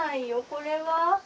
これは？